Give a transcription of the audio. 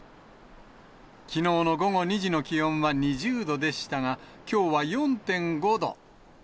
きのうの午後２時の気温は２０度でしたが、きょうは４．５度。